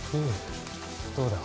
どうだ？